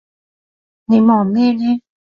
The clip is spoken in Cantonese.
你望咩呢？